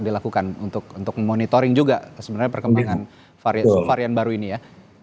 dilakukan untuk memonitoring juga sebenarnya perkembangan varian baru ini ya